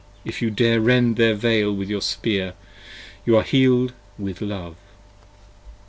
If you dare rend their Veil with your spear, you are healed of Love.